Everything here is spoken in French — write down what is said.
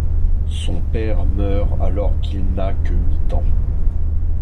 Son père meurt alors qu'il n'a que huit ans.